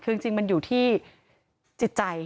คือจริงมันอยู่ที่จิตใจ